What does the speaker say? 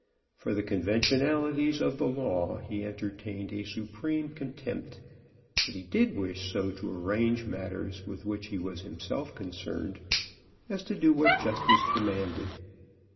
For the conventionalities of the law he entertained a supreme contempt, but he did wish so to arrange matters with which he was himself concerned as to do what justice demanded.